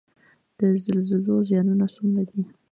د زلزلو زیانونه څومره دي؟